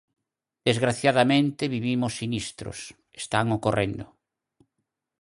Desgraciadamente, vivimos sinistros, están ocorrendo.